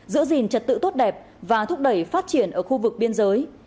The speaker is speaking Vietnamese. giữ gìn trật tự tốt đẹp và thúc đẩy phát triển ở khu vực biên giới